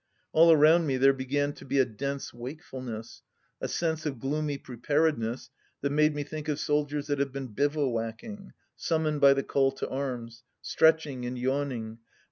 ... All around me there began to be a dense wakefulness, a sense of gloomy preparedness, that made me think of soldiers that have been bivouacking, summoned by the call to arms, stretching and yawning